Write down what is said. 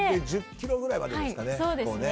１０キロぐらいは出るんですかね。